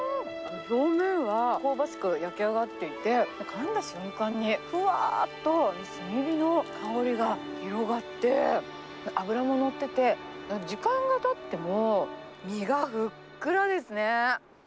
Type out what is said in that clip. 表面は香ばしく焼き上がっていて、かんだ瞬間にふわっと炭火の香りが広がって、脂も乗ってて、時間がたっても、身がふっくらですね。